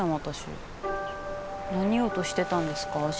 私何言おうとしてたんですか？